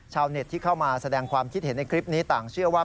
ชาวเน็ตที่เข้ามาแสดงความคิดเห็นในคลิปนี้ต่างเชื่อว่า